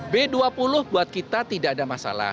b dua puluh buat kita tidak ada masalah